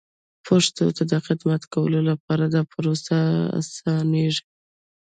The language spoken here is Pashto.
پښتو ته د خدمت کولو لپاره دا پروسه اسانېږي.